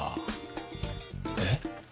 えっ？